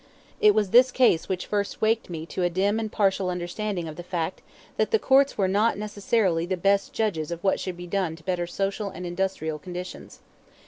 It was this case which first waked me to a dim and partial understanding of the fact that the courts were not necessarily the best judges of what should be done to better social and industrial conditions.